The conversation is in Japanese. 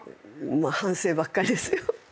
まあ反省ばっかりですよ。